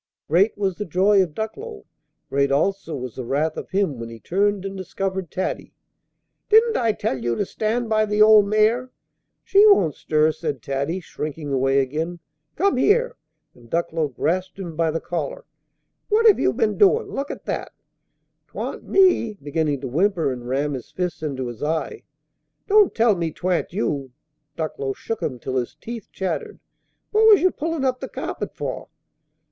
Great was the joy of Ducklow. Great also was the wrath of him when he turned and discovered Taddy. "Didn't I tell you to stand by the old mare?" "She won't stir," said Taddy, shrinking away again. "Come here!" And Ducklow grasped him by the collar. "What have you been doin'? Look at that!" "'Twan't me!" beginning to whimper and ram his fists into his eyes. "Don't tell me 'twan't you!" Ducklow shook him till his teeth chattered. "What was you pullin' up the carpet for?"